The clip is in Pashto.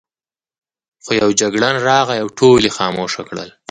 خو یو جګړن راغی او ټول یې خاموشه کړل.